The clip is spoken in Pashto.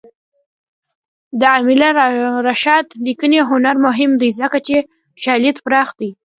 د علامه رشاد لیکنی هنر مهم دی ځکه چې شالید پراخ دی.